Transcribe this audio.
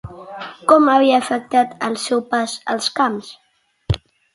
Com havia afectat el seu pas als camps?